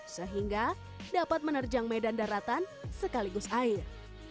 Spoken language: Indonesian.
sehingga dapat menerjang medan daratan sekaligus air